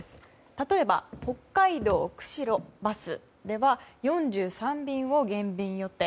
例えば、北海道のくしろバスでは４３便を減便予定。